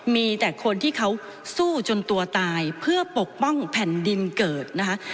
มีแต่คนที่เขาสู้จนตัวตายเพื่อปกป้องแผ่นดินเกิดนะคะ